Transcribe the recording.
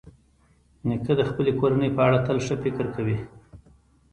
نیکه د خپلې کورنۍ په اړه تل ښه فکر کوي.